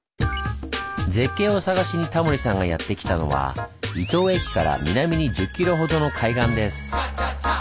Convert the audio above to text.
絶景を探しにタモリさんがやって来たのは伊東駅から南に１０キロほどの海岸です。